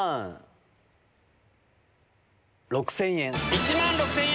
１万６０００円。